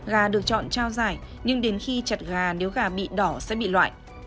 gà được chọn trao giải nhưng đến khi chặt gà nếu gà bị đỏ sẽ bị loại